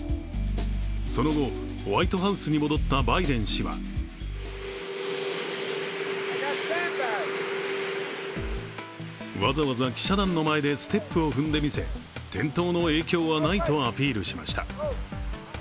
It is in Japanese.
その後、ホワイトハウスに戻ったバイデン氏はわざわざ記者団の前でステップを踏んで見せ転倒の影響はないとアピールしました。